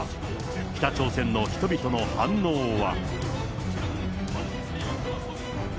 北朝鮮の人々の反応は。